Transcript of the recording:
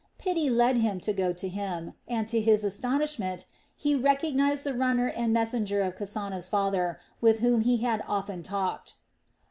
Pity led him to go to him and, to his astonishment, he recognized the runner and messenger of Kasana's father, with whom he had often talked.